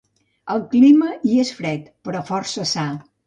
El clima hi és fred, però força sa.